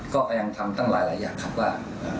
ก็พยายามทำตั้งหลายอย่างครับว่า